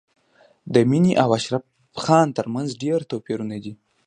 د مينې او اشرف خان تر منځ ډېر توپیرونه دي